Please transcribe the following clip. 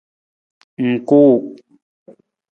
Ng kuu.